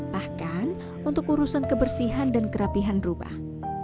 bahkan untuk urusan kebersihan dan kerapihan rubah